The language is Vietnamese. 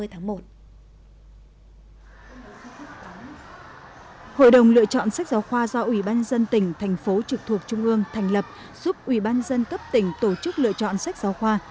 hội đồng lựa chọn sách giáo khoa do ủy ban dân tỉnh thành phố trực thuộc trung ương thành lập giúp ủy ban dân cấp tỉnh tổ chức lựa chọn sách giáo khoa